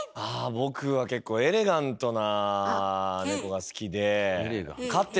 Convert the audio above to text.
僕は結構エレガントな猫が好きでうわっ！